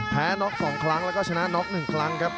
แพ้น็อค๒ครั้งและชนะน็อค๑ครั้งครับ